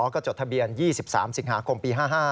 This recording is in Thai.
ก็จดทะเบียน๒๓สิงหาคมปี๕๕